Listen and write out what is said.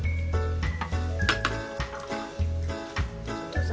どうぞ。